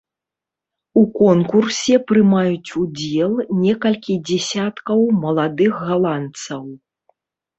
У конкурсе прымаюць удзел некалькі дзесяткаў маладых галандцаў.